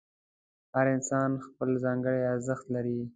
هر انسان خپل ځانګړی ارزښت لري.